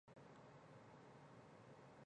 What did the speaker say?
之后再使用剃刀直接切除大小阴唇。